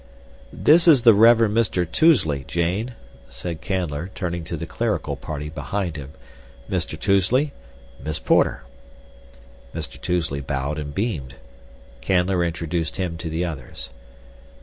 "This is the Reverend Mr. Tousley, Jane," said Canler, turning to the clerical party behind him. "Mr. Tousley, Miss Porter." Mr. Tousley bowed and beamed. Canler introduced him to the others.